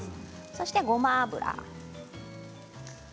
そして、ごま油。